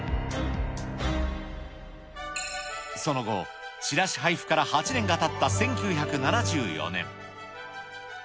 その後、チラシ配布から８年がたった１９７４年。